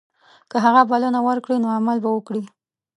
که هغه بلنه ورکړي نو عمل به وکړي.